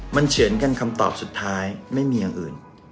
มันเฉือนกันคำตอบสุดท้ายไม่มีอย่างอื่น